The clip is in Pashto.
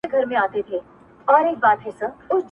آسمانه ما ستا د ځوانۍ په تمه!!